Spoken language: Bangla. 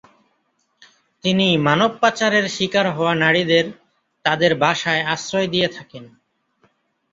তিনি মানব পাচারের শিকার হওয়া নারীদের তাদের বাসায় আশ্রয় দিয়ে থাকেন।